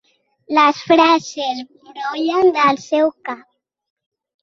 Les frases brollen del seu cap.